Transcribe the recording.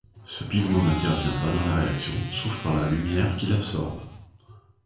Ce pigment n'intervient pas dans la réaction, sauf par la lumière qu'il absorbe.